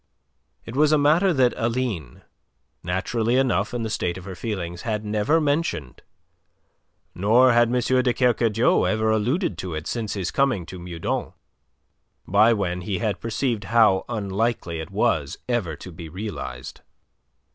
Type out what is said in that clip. It was a matter that Aline naturally enough in the state of her feelings had never mentioned, nor had M. de Kercadiou ever alluded to it since his coming to Meudon, by when he had perceived how unlikely it was ever to be realized.